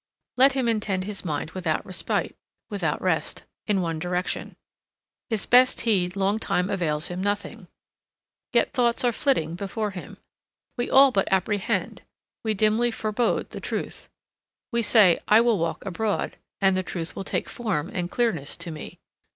Let him intend his mind without respite, without rest, in one direction. His best heed long time avails him nothing. Yet thoughts are flitting before him. We all but apprehend, we dimly forebode the truth. We say I will walk abroad, and the truth will take form and clearness to me.